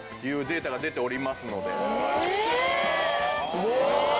すごい！